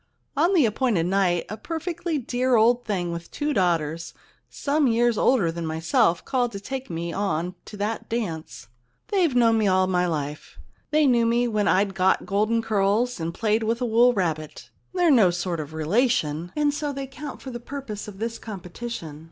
On the appointed night a perfectly dear old thing with two daughters some years older than myself called to take me on to that dance. They've known me all my life. They knew me when I'd got golden curls and played with a wool rabbit. They're no sort of relation, and so they count for the purpose of this competition.